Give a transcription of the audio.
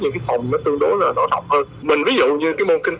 bố trí những cái phòng nó tương đối là nó rộng hơn